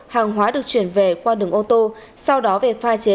hàng hóa được chuyển về qua đường ô tô sau đó về pha chế